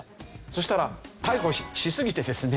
そしたら逮捕しすぎてですね